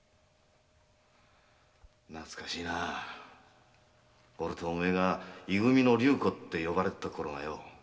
なつかしいな俺とお前が「い組の竜虎」と呼ばれてたころが。